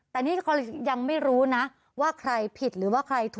แต่นี่เขายังไม่รู้นะว่าใครผิดหรือว่าใครถูก